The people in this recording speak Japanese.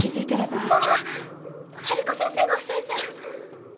そんな治子先生のせいじゃ。